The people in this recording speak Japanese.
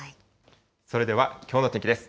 それでは、きょうの天気です。